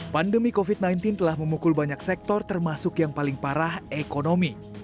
pandemi covid sembilan belas telah memukul banyak sektor termasuk yang paling parah ekonomi